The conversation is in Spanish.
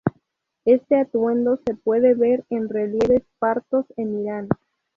Este atuendo se puede ver en relieves partos en Irán.